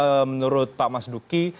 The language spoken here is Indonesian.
menurut pak mas duki